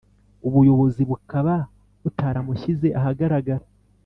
Ubuyobozi bukaba butaramushyize ahagaragara